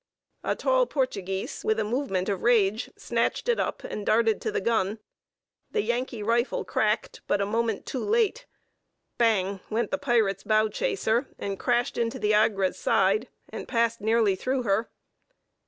A tall Portuguese, with a movement of rage, snatched it up, and darted to the gun; the Yankee rifle cracked, but a moment too late. Bang! went the pirate's bow chaser, and crashed into the Agra's side, and passed nearly through her.